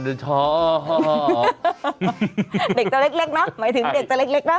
เด็กเจ้าเล็กเนาะหมายถึงเด็กเจ้าเล็กเนาะ